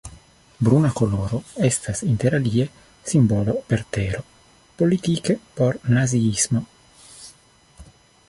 Bruna koloro estas interalie simbolo por tero; politike por naziismo.